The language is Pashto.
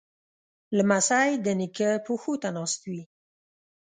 لمسی د نیکه پښو ته ناست وي.